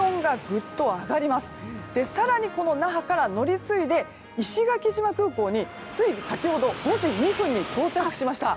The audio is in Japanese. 更に、那覇から乗り継いで石垣島空港につい先ほど５時２分に到着しました。